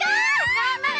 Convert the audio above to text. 頑張れ！